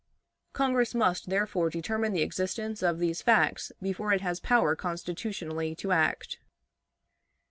Congress must, therefore, determine the existence of these facts before it has power constitutionally to act.